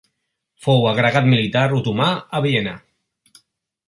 Fou agregat militar otomà a Viena.